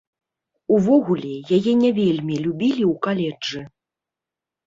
Увогуле, яе не вельмі любілі ў каледжы.